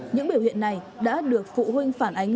những biểu hiện này đã được phụ huynh phản ánh